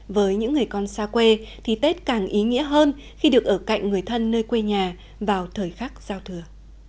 với những người con xa quê thì tết càng ý nghĩa hơn khi được ở cạnh người thân nơi quê nhà vào thời khắc giao thừa